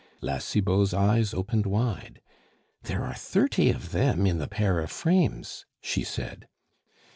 La Cibot's eyes opened wide. "There are thirty of them in the pair of frames!" she said.